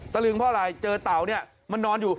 ลึงเพราะอะไรเจอเต่าเนี่ยมันนอนอยู่